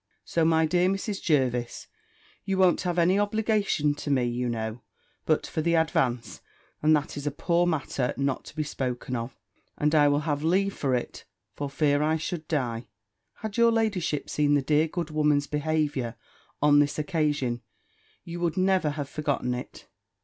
So, my dear Mrs. Jervis, you won't have any obligation to me, you know, but for the advance; and that is a poor matter, not to be spoken of: and I will have leave for it, for fear I should die." Had your ladyship seen the dear good woman's behaviour, on this occasion, you would never have forgotten it.